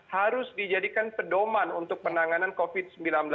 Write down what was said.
harus dijadikan pedoman untuk penanganan covid sembilan belas